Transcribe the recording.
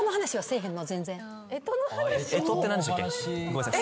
ごめんなさい